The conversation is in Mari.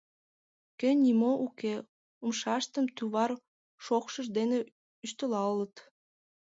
Кӧн нимо уке — умшаштым тувыр шокшышт дене ӱштылалыт.